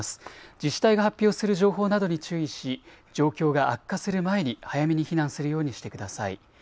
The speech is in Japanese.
自治体が発表する情報などに注意し状況が悪化する前に早めに避難するようにしてください。